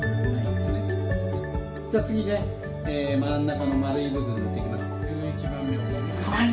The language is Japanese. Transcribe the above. じゃあ次真ん中の丸い部分塗って行きます。